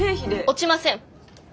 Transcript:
落ちません。